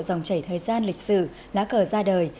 dòng chảy thời gian lịch sử lá cờ ra đời